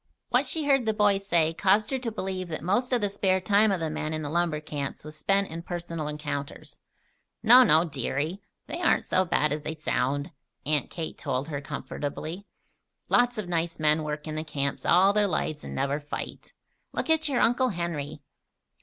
What she heard the boys say caused her to believe that most of the spare time of the men in the lumber camps was spent in personal encounters. "No, no, deary. They aren't so bad as they sound," Aunt Kate told her, comfortably. "Lots of nice men work in the camps all their lives and never fight. Look at your Uncle Henry."